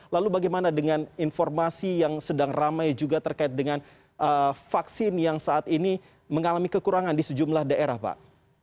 lalu bagaimana dengan informasi yang sedang ramai juga terkait dengan vaksin yang saat ini mengalami kekurangan di sejumlah daerah pak